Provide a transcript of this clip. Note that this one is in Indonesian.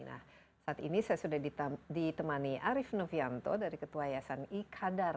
nah saat ini saya sudah ditemani arief novianto dari ketua yayasan ikadar